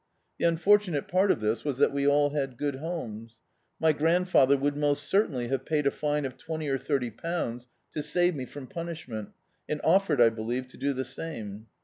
The unfortunate part of this was that we all had good hcHnes. My grandfather would most cer tainly have paid a fine of twenty or thirty pounds to save me from punishment, and offered, I believe, to do the same.